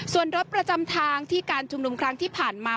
ส่วนรถประจำทางที่การชุมนุมครั้งที่ผ่านมา